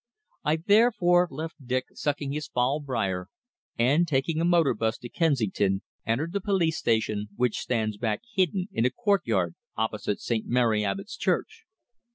I therefore left Dick sucking his foul briar, and, taking a motor bus to Kensington, entered the police station, which stands back hidden in a courtyard opposite St. Mary Abbot's Church.